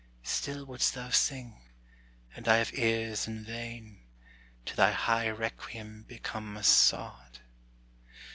Still wouldst thou sing, and I have ears in vain To thy high requiem become a sod.